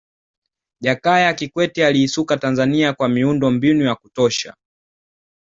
jakaya kikwete aliisuka tanzania kwa miundo mbinu ya kutosha